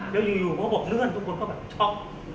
แล้วอยู่เพราะว่าเรื่อนทุกคนก็แบบช็อค